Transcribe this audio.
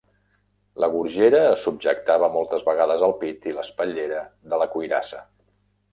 La gorgera es subjectava moltes vegades al pit i l"espatllera de la cuirassa.